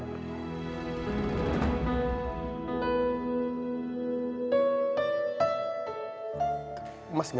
mas sudah menangis untuk iblisnya